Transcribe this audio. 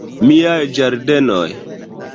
Miaj ĝardenoj!